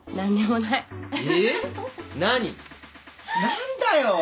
何だよ。